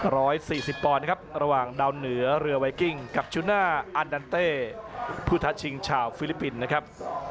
ร้อยสี่สิบปอนด์นะครับระหว่างดาวเหนือเรือไวกิ้งกับชุน่าอันดันเต้ผู้ทัดชิงชาวฟิลิปปินส์นะครับ